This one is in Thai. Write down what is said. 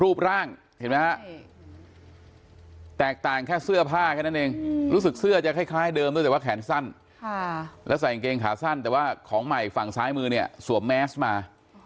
รูปร่างเห็นมั้ยฮะแตกต่างจะเสื้อผ้าเหมือนเหมือนนั่นเองรู้สึกเสื้อจะคล้ายเดิมอีกว่าแขนสั้นและใส่กางเกงขาสั้นแต่ว่าของใหม่ฝั่งซ้ายมือเนี่ยส่วนแมสมา